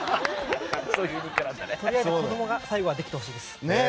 とりあえず最後は子供ができてほしいです。